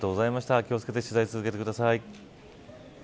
気を付けて取材を続けてください。